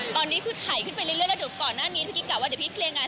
ตอนนี้คือถ่ายขึ้นไปเรื่อยแล้วเดี๋ยวก่อนหน้านี้พี่กิ๊กกะว่าเดี๋ยวพี่เคลียร์งาน